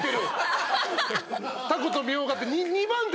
タコとみょうがって。